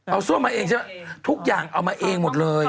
เอาซั่วมาเองใช่ไหมทุกอย่างเอามาเองหมดเลย